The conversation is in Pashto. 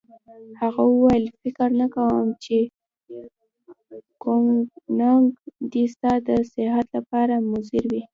هغه وویل: فکر نه کوم چي کوګناک دي ستا د صحت لپاره مضر وي.